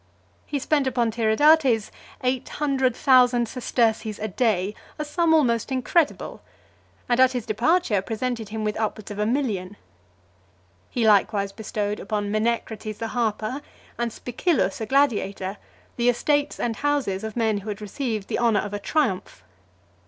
He spent upon Tiridates eight hundred thousand sesterces a day, a sum almost incredible; and at his departure, presented him with upwards of a million . He likewise bestowed upon Menecrates the harper, and Spicillus a gladiator, the estates and houses of men who had received the honour of a triumph.